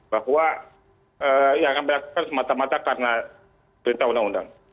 bahwa yang akan berlakukan semata mata karena perintah undang undang